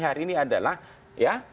hari ini adalah ya